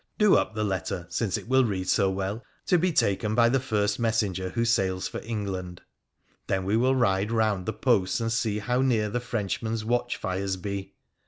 Do up the letter, since it will read so well, and put it in the way to be taken by the first messenger who sails for England. Then we will ride round the posts and see how near the Frenchman's watchfires be.